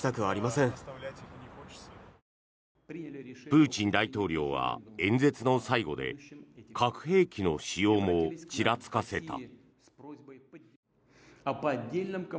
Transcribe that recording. プーチン大統領は演説の最後で核兵器の使用もちらつかせた。